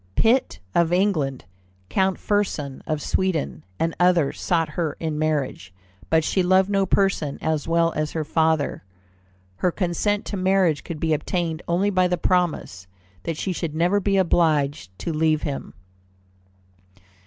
Pitt, of England, Count Fersen, of Sweden, and others, sought her in marriage, but she loved no person as well as her father. Her consent to marriage could be obtained only by the promise that she should never be obliged to leave him.